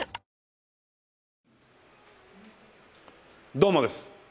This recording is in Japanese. どうもです。